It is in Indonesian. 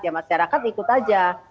ya masyarakat ikut aja